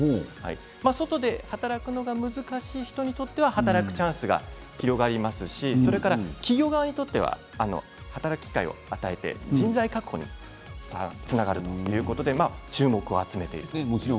外で働くのが難しい人にとっては働くチャンスが広がりますし企業側にとっては働く機会を与えて人材確保につながるということです。